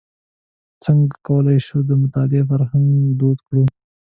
څنګه کولای شو د مطالعې فرهنګ دود کړو.